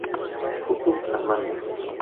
Fucking Amanda.